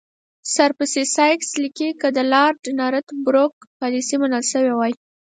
سر پرسي سایکس لیکي چې که د لارډ نارت بروک پالیسي منل شوې وای.